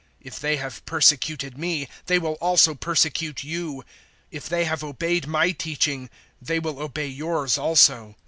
If they have persecuted me, they will also persecute you: if they have obeyed my teaching, they will obey yours also.